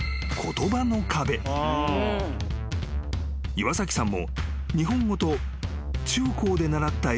［岩崎さんも］